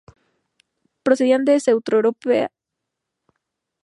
Procedían de Centroeuropa con el sustrato lingüístico del indoeuropeo.